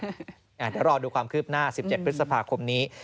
เดี๋ยวรอดูความคืบหน้า๑๗พฤษภาคมนี้